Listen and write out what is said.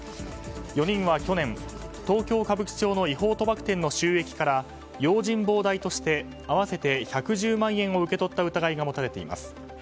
４人は去年、東京・歌舞伎町の違法賭博店の収益から用心棒代として合わせて１１０万円を受け取った疑いが持たれています。